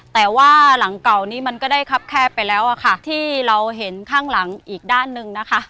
แต่ว่าหลังเก่านี้มันก็ได้ครับแคบไปแล้วอะค่ะที่เราเห็นข้างหลังอีกด้านหนึ่งนะคะ